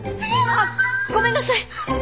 あっごめんなさい。